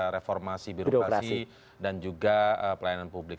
reformasi birokrasi dan juga pelayanan publik